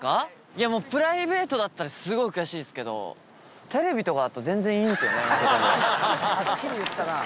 いやもう、プライベートだったらすごい悔しいですけど、テレビとかだと全然いいんですよね、負けても。